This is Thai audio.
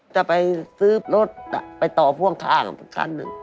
จะไปซื้อรถไปต่อพ่วงข้างคันหนึ่ง